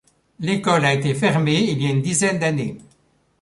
L‘école a été fermée il y a une dizaine d'années.